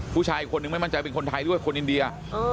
ผู้ชายคนหนึ่งไม่มั่นใจเป็นคนไทย